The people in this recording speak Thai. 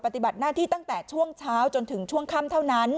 ปฏิบัติหน้าที่ตั้งแต่ช่วงเช้าจนถึงช่วงค่ำเท่านั้น